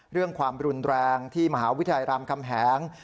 เรื่องความรุนแรงที่มหาวิทยาลัยรามคำแหง